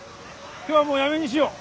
今日はもうやめにしよう。